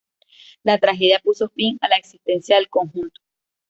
La tragedia puso fin a la existencia del conjunto.